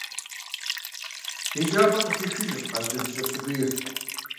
Иджы абы къыхэхыжыт къаз джэдыкӀэ пщыкӀуийр.